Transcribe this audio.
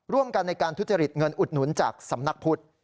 ร่วมกันในการทุจริตเงินอุดหนุนจากสำนักพุทธ